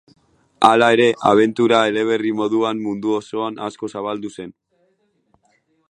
Hala ere, abentura-eleberri moduan mundu osoan asko zabaldu zen.